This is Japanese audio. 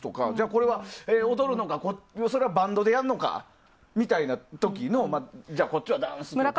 これは踊るのか、それはバンドでやるのかみたいな時のじゃあ、こっちはダンスみたいな。